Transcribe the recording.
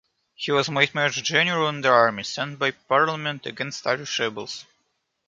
He was made major general in the army sent by Parliament against Irish rebels.